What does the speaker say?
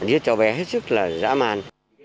điết cho bé hết sức là dã man